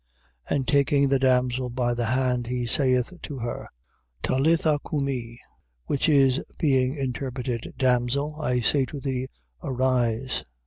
5:41. And taking the damsel by the hand, he saith to her: Talitha cumi, which is, being interpreted: Damsel (I say to thee) arise.